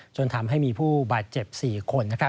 จนทำให้มีผู้บาดเจ็บ๔คน